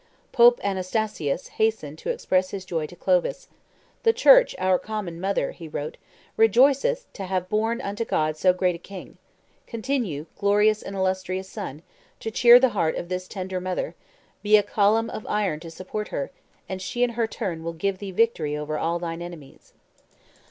Pope Anastasius hasted to express his joy to Clovis: "The Church, our common mother," he wrote, "rejoiceth to have born unto God so great a king. Continue, glorious and illustrious son, to cheer the heart of this tender mother; be a column of iron to support her, and she in her turn will give thee victory over all thine enemies."